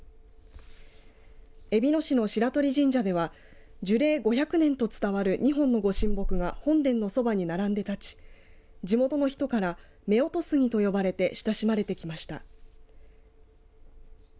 えびの市の白鳥神社では樹齢５００年と伝わる２本のご神木が本殿のそばに並んで立ち地元の人から夫婦杉と呼ばれて親しまれてきました。